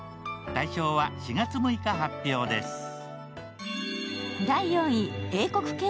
大賞は４月６日発表です。